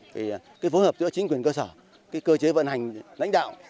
vì phối hợp giữa chính quyền cơ sở cơ chế vận hành lãnh đạo